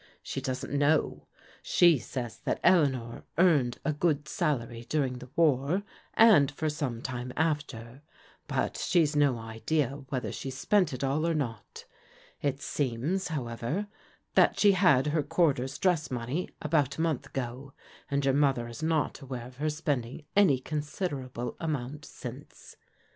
She doesn't know. She says that Eleanor earned a good salary during the war, and for some time after, but she's no idea whether she spent it all or not. It seems, however, that she had her quarter's dress money about a month ago, and your mother is not aware of her spending any considerable amount since.